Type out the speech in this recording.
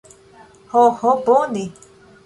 Ho, ho bone.